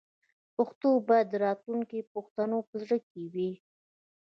پښتو باید د راتلونکي پښتنو په زړه کې وي.